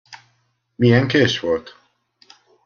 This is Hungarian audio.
Milyen kés volt?